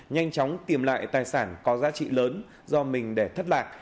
nhanh chóng tìm lại tài sản có giá trị lớn do mình để thất lạc